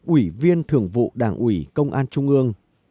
ủy viên thường vụ đảng ủy công an trung ương